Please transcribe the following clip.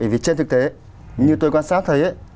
vì trên thực tế như tôi quan sát thấy